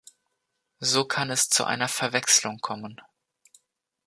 So kann es zu einer Verwechslung kommen.